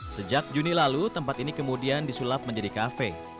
sejak juni lalu tempat ini kemudian disulap menjadi kafe